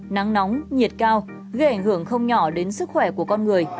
nắng nóng nhiệt cao gây ảnh hưởng không nhỏ đến sức khỏe của con người